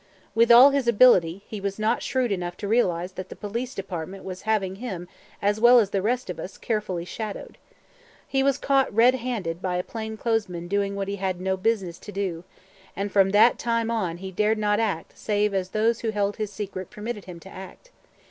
With all his ability, he was not shrewd enough to realize that the Police Department was having him as well as the rest of us carefully shadowed. He was caught red handed by a plain clothes man doing what he had no business to do; and from that time on he dared not act save as those who held his secret permitted him to act.